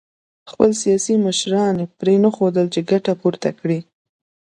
خپل سیاسي مشران پرېنښودل چې ګټه پورته کړي